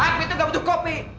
api itu enggak butuh kopi